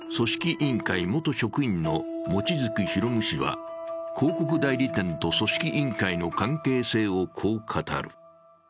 委員会元職員の望月宣武氏は広告代理店と組織委員会の関係性をこう語る。